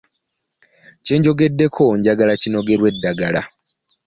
Kye njogeddeko njagala kinogerwe eddagala.